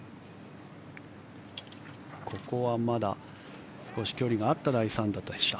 ここはまだ少し距離があった第３打でした。